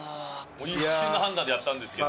一瞬の判断でやったんですけど。